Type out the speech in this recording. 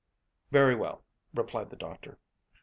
"Very well," replied the doctor.